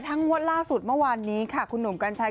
ถ่ายงวดมากคุณถ้าฟังที่หนุ่มกันชัย